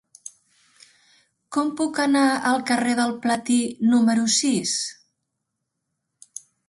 Com puc anar al carrer del Platí número sis?